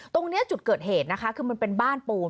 ตรงนี้จุดเกิดเหตุนะคะคือมันเป็นบ้านปูน